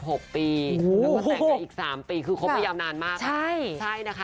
แล้วก็แต่งกันอีก๓ปีคือคบไม่ยาวนานมาก